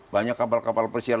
banyak kapal kapal persial